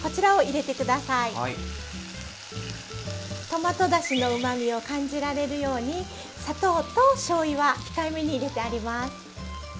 トマトだしのうまみを感じられるように砂糖としょうゆは控えめに入れてあります。